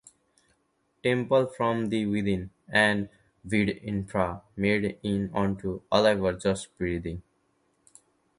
"Temple From the Within" and "Vide Infra" made it onto "Alive or Just Breathing".